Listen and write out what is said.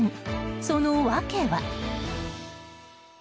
その訳は？